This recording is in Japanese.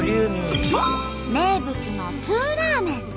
名物の「ツーラーメン」。